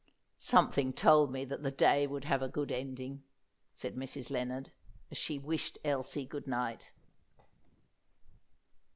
"Something told me that the day would have a good ending," said Mrs. Lennard, as she wished Elsie good night.